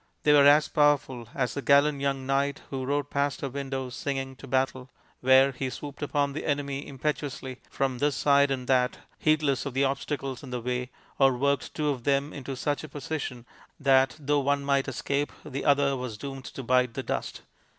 They were as powerful as the gallant young knight who rode past her window singing to battle, where he swooped upon the enemy impetuously from this side and that, heedless of the obstacles in the way, or worked two of them into such a position that, though one might escape, the other was doomed to bite the dust.